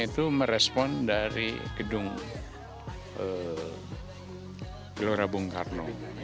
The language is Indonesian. itu merespon dari gedung gelora bung karno